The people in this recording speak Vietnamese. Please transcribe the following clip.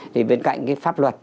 thì bên cạnh cái pháp luật